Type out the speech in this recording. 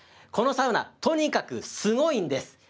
このサウナ、とにかくすごいんです。